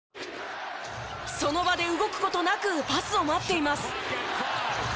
その場で動く事なくパスを待っています。